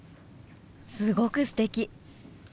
すごくすてき！